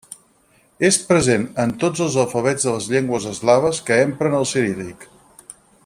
És present en tots els alfabets de les llengües eslaves que empren el ciríl·lic.